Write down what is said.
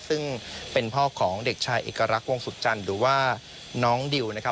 ซึ่งเป็นพ่อของเด็กชายเอกลักษณ์วงสุจันทร์หรือว่าน้องดิวนะครับ